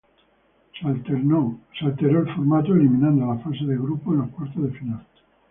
Se alteró el formato, eliminando la fase de grupos en los cuartos de final.